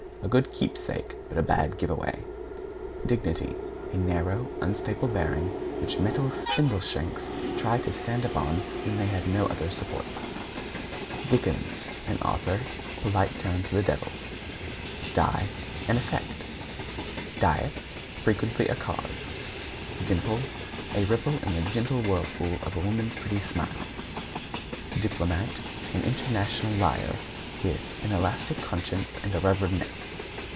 A good keepsake, but a bad give away. =DIGNITY= A narrow, unstable bearing which mental spindle shanks try to stand upon when they have no other support. =DICKENS= An author; polite term for the devil. =DIE= An effect. =DIET= Frequently a cause. =DIMPLE= A ripple in the gentle whirlpool of a pretty woman's smile. =DIPLOMAT= An international liar, with an elastic conscience and a rubber neck.